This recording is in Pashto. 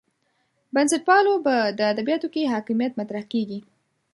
بنسټپالو په ادبیاتو کې حاکمیت مطرح کېږي.